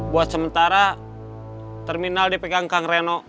buat sementara terminal dipegang kang reno